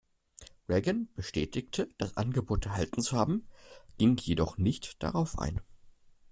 Reagan bestätigte, das Angebot erhalten zu haben, ging jedoch nicht darauf ein.